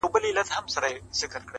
• د زړه لاسونه مو مات ، مات سول پسي،